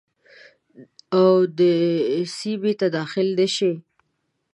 د اود سیمي ته داخل نه شي.